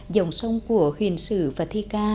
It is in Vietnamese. dòng sông của huyền sử và thi ca